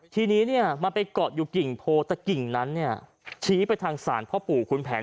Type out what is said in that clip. ทีนี้เนี่ยมันไปเกาะอยู่กิ่งโพแต่กิ่งนั้นเนี่ยชี้ไปทางศาลพ่อปู่คุณแผน